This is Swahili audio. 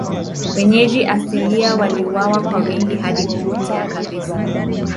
Wenyeji asilia waliuawa kwa wingi hadi kupotea kabisa.